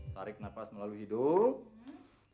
tarik nafas melalui hidung